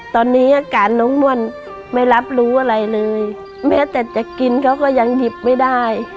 ตอนนี้อาการน้องม่วนไม่รับรู้อะไรเลยแม้แต่จะกินเขาก็ยังหยิบไม่ได้